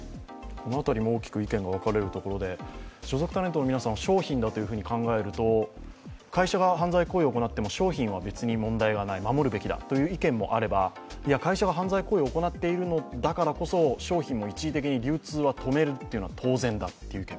この辺りも大きく意見が分かれるところで、所属タレントの皆さんを商品と考えると会社が犯罪行為を行っても商品は何でもない、守るべきだという意見もあれば会社が犯罪行為を行っているのだからこそ、商品も一時的に流通を止めるのは当然だという意見。